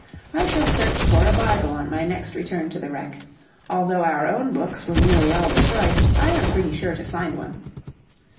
I shall search for a Bible on my next return to the wreck: although our own books were nearly all destroyed, I am pretty sure to find one."